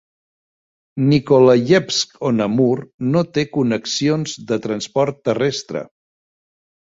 Nikolayevsk-on-Amur no té connexions de transport terrestre.